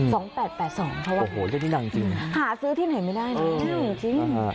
เลขดังจริงหาซื้อที่ไหนไม่ได้